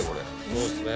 そうですね。